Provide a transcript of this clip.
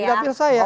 di dapil saya